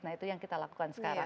nah itu yang kita lakukan sekarang